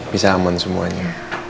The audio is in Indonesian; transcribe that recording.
bisa aman semuanya